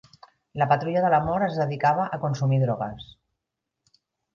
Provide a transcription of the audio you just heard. La Patrulla de la Mort es dedicava a consumir drogues.